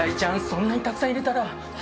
そんなにたくさん入れたら。